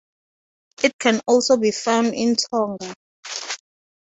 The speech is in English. It can also be found in Tonga.